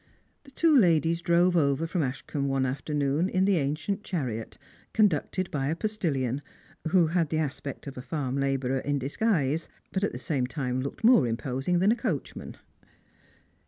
The two ladies drove over from Ashcombe one afternoon in the ancient chariot, conducted by a postilion, who had the aspect of a farm labourer in disguise, but at the same time looked more imposing than a coachman.